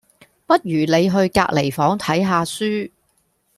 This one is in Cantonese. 不如你去隔離房睇吓書